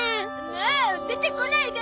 もう出てこないで！